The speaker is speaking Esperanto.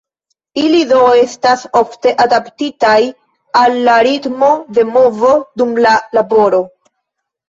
Ili do estas ofte adaptitaj al la ritmo de movo dum la laboro.